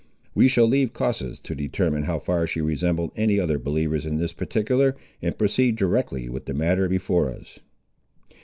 We shall leave casuists to determine how far she resembled any other believers in this particular, and proceed directly with the matter before us.